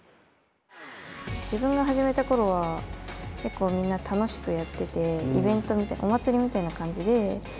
自分が始めたころは結構みんな楽しくやっててイベントみたいなお祭りみたいな感じで。